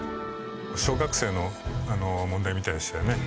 小学生の問題みたいでしたよね？